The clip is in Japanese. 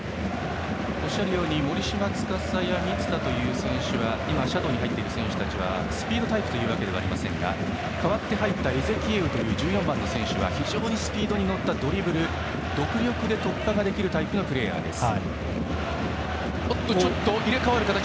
おっしゃるように森島司や満田という選手がシャドーに入っている選手たちはスピードタイプではないですが代わって入ったエゼキエウという１４番の選手は非常にスピードに乗ったドリブル独力で突破できるタイプのプレーヤーです。